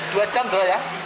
dua jam doang ya